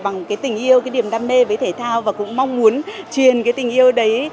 bằng cái tình yêu cái niềm đam mê với thể thao và cũng mong muốn truyền cái tình yêu đấy